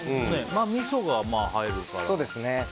まあ、みそが入るから。